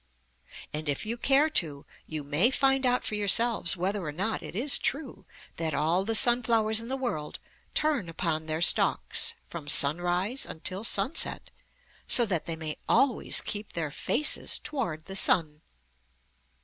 And if you care to, you may find out for yourselves whether or not it is true that all the sunflowers in the world turn upon their stalks, from sunrise until sunset, so that they may always keep their faces toward the sun.